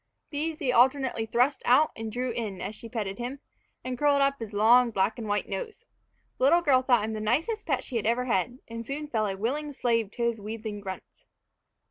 These he alternately thrust out and drew in, as she petted him, and curled up his long, black and white nose. The little girl thought him the nicest pet she had ever had, and soon fell a willing slave to his wheedling grunts.